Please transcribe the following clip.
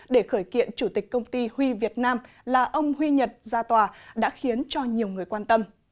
để khởi kiện chủ tịch công ty huy việt nam là ông huy nhật ra tòa đã khiến cho nhiều người quan tâm